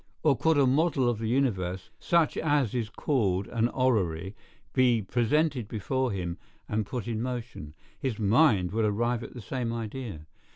Or could a model of the universe, such as is called an orrery, be presented before him and put in motion, his mind would arrive at the same idea.